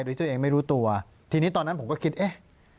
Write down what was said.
โดยตัวเองไม่รู้ตัวทีนี้ตอนนั้นผมก็คิดเอ๊ะ